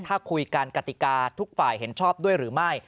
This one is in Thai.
ถ้าคุยกันกติกาทุกฝ่ายเห็นชอบด้วยหรือไม่